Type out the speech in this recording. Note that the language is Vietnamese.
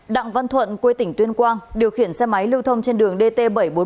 đặng văn thuận quê tỉnh tuyên quang điều khiển xe máy lưu thông trên đường dt bảy trăm bốn mươi một